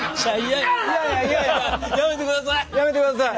やめてください。